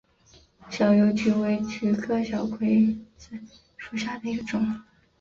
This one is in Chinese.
小油菊为菊科小葵子属下的一个种。